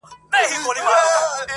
په خپل کاله کې ناست وو د پردو په انتظار